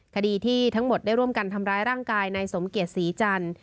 คดีที่ทั้งหมดได้ร่วมกันทำร้ายร่างกายนายสมเกียจศรีจันทร์